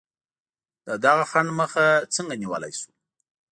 د دغه خنډ مخه څنګه نیولای شو؟